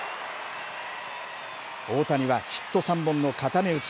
大谷はヒット３本の固め打ち。